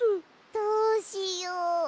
どうしよう。